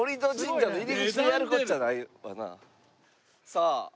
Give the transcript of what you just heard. さあ。